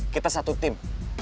kita satu tim